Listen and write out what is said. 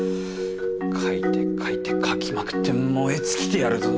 かいてかいてかきまくって燃え尽きてやるぞ。